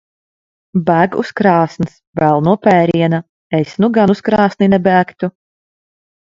Bēg uz krāsns. Bail no pēriena. Es nu gan uz krāsni nebēgtu.